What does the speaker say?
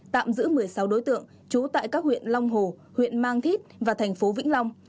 tạm giữ một mươi sáu đối tượng trú tại các huyện long hồ huyện mang thít và thành phố vĩnh long